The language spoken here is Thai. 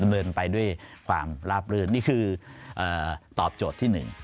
เดินไปด้วยความลาบลื่นนี่คือตอบโจทย์ที่๑